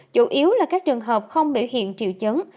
chủ yếu là các trường hợp không biểu hiện triệu chứng